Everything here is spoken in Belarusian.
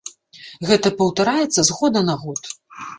Гэта паўтараецца з года на год.